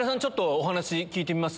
お話聞いてみます？